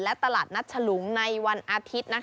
และตลาดนัดฉลุงในวันอาทิตย์